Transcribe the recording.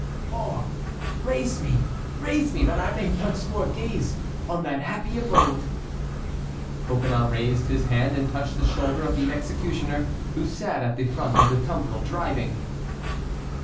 "Oh! raise me, raise me, that I may once more gaze on that happy abode." Coconnas raised his hand and touched the shoulder of the executioner, who sat at the front of the tumbril driving.